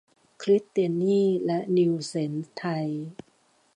คริสเตียนีและนีลเส็น ไทย